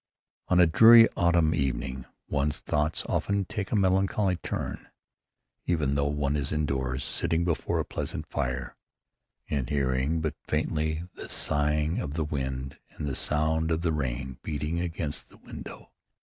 On a dreary autumn evening one's thoughts often take a melancholy turn, even though one is indoors, sitting before a pleasant fire, and hearing but faintly the sighing of the wind and the sound of the rain beating against the window.